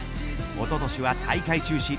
おととしは大会中止。